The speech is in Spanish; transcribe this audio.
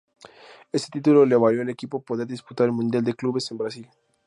Ese título le valió al equipo poder disputar el Mundial de Clubes en Brasil.